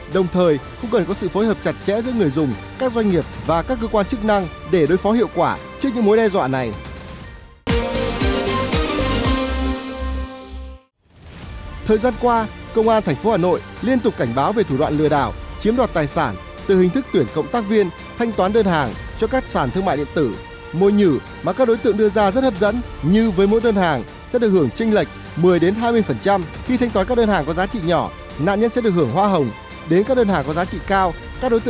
đồng thời cũng cần có sự phối hợp chặt chẽ giữa người dùng các doanh nghiệp và các cơ quan chức năng để đối phó hiệu quả trước những mối đe dọa này